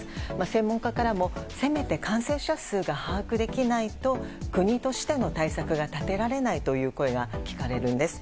専門家からもせめて感染者数が把握できないと国としての対策が立てられないという声が聞かれるんです。